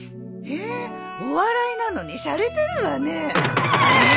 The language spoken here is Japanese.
へえお笑いなのにしゃれてるわねえ。